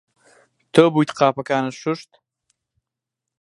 تۆ بوویت قاپەکانت شوشت؟